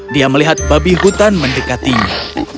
dia melihat babi hutan mendekatinya